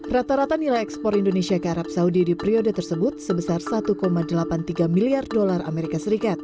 rata rata nilai ekspor indonesia ke arab saudi di periode tersebut sebesar satu delapan puluh tiga miliar dolar as